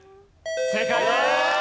正解です。